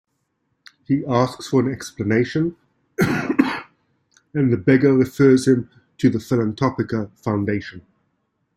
He asks for an explanation and the beggar refers him to the Filantropica Foundation.